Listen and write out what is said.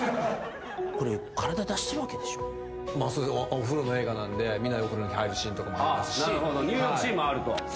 お風呂の映画なんでみんなでお風呂に入るシーンとかもありますし。